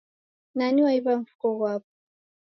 Nani waiw'a mfuko ghwapo?